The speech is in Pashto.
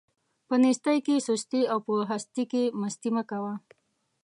په نيستۍ کې سستي او په هستۍ کې مستي مه کوه.